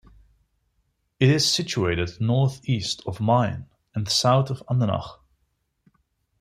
It is situated north-east of Mayen, and south of Andernach.